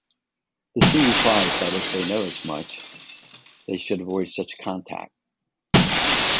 The sea replies that if they know as much, they should avoid such contact.